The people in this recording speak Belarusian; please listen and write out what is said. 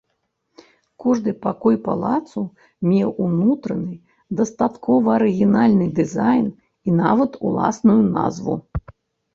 Кожны пакой палацу меў унутраны, дастаткова арыгінальны дызайн і нават уласную назву.